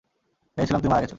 ভেবেছিলাম তুমি মারা গেছ।